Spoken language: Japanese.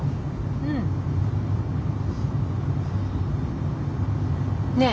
うん。ねえ。